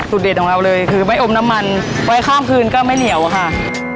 เด็ดของเราเลยคือไม่อมน้ำมันไว้ข้ามคืนก็ไม่เหนียวค่ะ